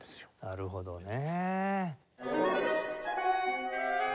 なるほどね。